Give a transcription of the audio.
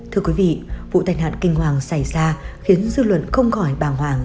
thưa quý vị vụ tai nạn kinh hoàng xảy ra khiến dư luận không khỏi bàng hoàng